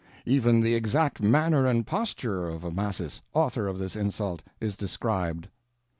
Even the exact manner and posture of Amasis, author of this insult, is described.